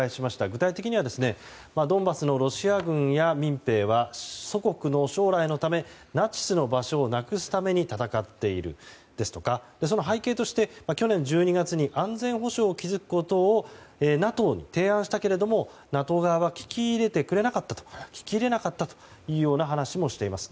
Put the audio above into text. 具体的にはドンバスのロシア軍や民兵は祖国の将来のためナチスの場所をなくすために戦っているですとかその背景として去年１２月に安全保障を築くことをＮＡＴＯに提案したけれどもＮＡＴＯ側は聞き入れなかったというような話もしています。